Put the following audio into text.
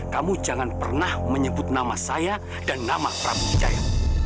kamu jangan pernah menyebut nama saya dan nama pramu hijaya